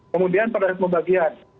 kemudian pada saat pembagian